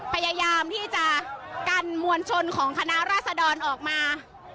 พยายามที่จะกันมวลชนของคณะราษดรออกมา